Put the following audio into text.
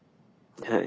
はい。